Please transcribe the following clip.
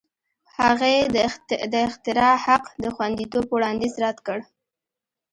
هغې د اختراع حق د خوندیتوب وړاندیز رد کړ.